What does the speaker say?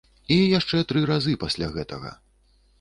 І яшчэ тры разы пасля гэтага.